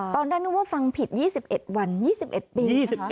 ตอนนั้นนึกว่าฟังผิด๒๑วัน๒๑ปีนะคะ